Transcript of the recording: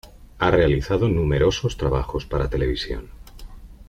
Ha realizado numerosos trabajos para televisión.